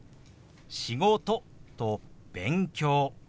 「仕事」と「勉強」。